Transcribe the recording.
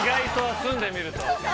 住んでみると。